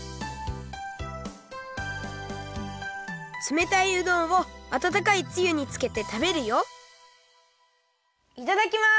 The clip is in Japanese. つめたいうどんをあたたかいつゆにつけて食べるよいただきます！